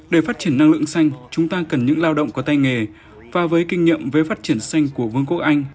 để phát triển năng lượng xanh chúng ta cần những lao động có tay nghề và với kinh nghiệm với phát triển xanh của vương quốc anh